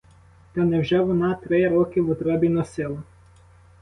Та невже вона три роки в утробі носила?